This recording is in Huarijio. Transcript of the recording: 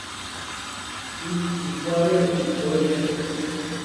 Ihčikuáme iʼtória.